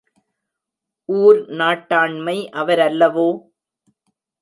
ஊர் நாட்டாண்மை அவரல்லவோ?